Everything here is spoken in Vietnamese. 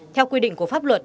theo quy định của pháp luật